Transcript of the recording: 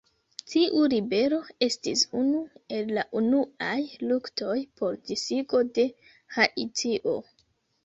Tiu ribelo estis unu el la unuaj luktoj por disigo de Haitio.